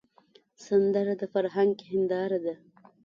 سندره د فرهنګ هنداره ده